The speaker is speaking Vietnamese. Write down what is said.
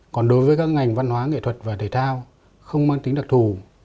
còn đối với các ngành văn hóa nghệ thuật và thể thao mang tính chất đặc thủ